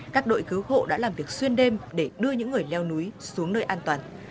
các đội cứu hộ đã làm việc xuyên đêm để đưa những người leo núi xuống nơi an toàn